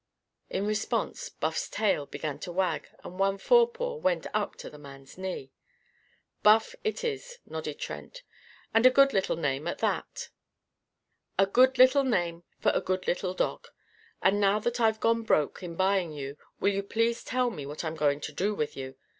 In response, Buff's tail began to wag, and one forepaw went up to the man's knee. "'Buff' it is," nodded Trent. "And a good little name at that. A good little name for a good little dog. And now that I've gone broke, in buying you, will you please tell me what I'm going to do with you?